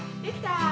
できた！